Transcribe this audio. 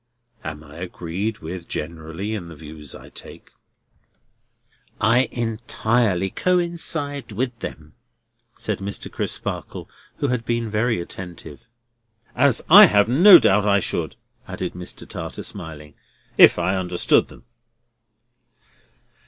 Am I agreed with generally in the views I take?" "I entirely coincide with them," said Mr. Crisparkle, who had been very attentive. "As I have no doubt I should," added Mr. Tartar, smiling, "if I understood them."